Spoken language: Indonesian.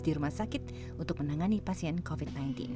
di rumah sakit untuk menangani pasien covid sembilan belas